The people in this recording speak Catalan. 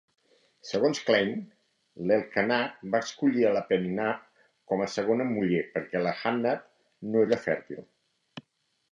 Segons Klein, l'Elkanah va escollir la Peninnah com a segona muller perquè la Hannah no era fèrtil.